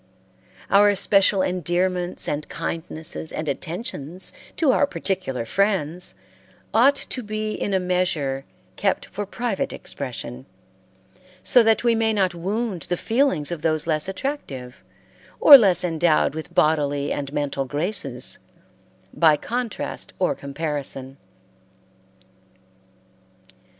Our especial endearments and kindnesses and attentions to our particular friends ought to be in a measure kept for private expression, so that we may not wound the feelings of those less attractive, or less endowed with bodily and mental graces, by contrast or comparison.